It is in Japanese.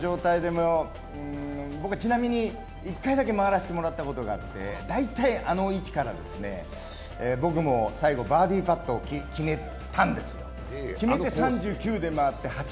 ちなみに１回だけ回らせてもらったことがあって大体あの位置から、僕も最後バーディーパットを決めて３９で回って８３。